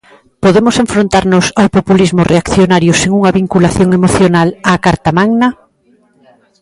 Podemos enfrontarnos ao populismo reaccionario sen unha vinculación emocional á carta magna?